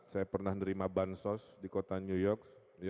saya pernah nerima bansos di kota new york